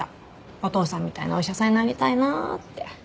お父さんみたいなお医者さんになりたいなあって。